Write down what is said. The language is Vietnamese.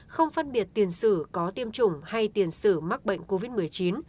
không phân biệt tiền sử có tiêm chủng hay tiền xử mắc bệnh covid một mươi chín